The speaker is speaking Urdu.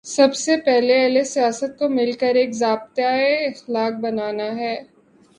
سب سے پہلے اہل سیاست کو مل کر ایک ضابطۂ اخلاق بنانا ہے۔